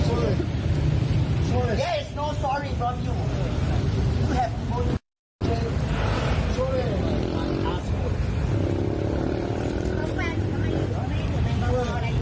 โอ้โหคุณผู้ชมฮะ๓บุคคลสำคัญในเหตุการณ์นี้